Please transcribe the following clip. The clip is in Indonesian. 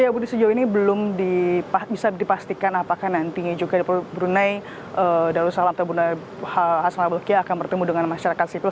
ya budi sejauh ini belum bisa dipastikan apakah nantinya juga brunei darussalam atau asmara belkiah akan bertemu dengan masyarakat sipil